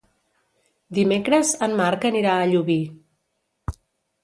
Dimecres en Marc anirà a Llubí.